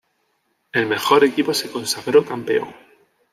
El mejor equipo se consagró campeón.